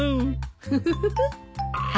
フフフフ。